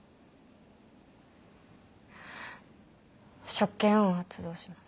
職権を発動します。